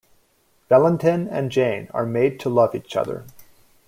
Valentin and Jane are made to love each other.